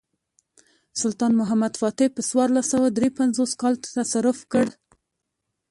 سلطان محمد فاتح په څوارلس سوه درې پنځوس کال کې تصرف کړ.